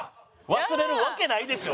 忘れるわけないでしょ！